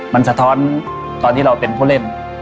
มันสะท้อนตอนที่เราเป็นผู้เล่น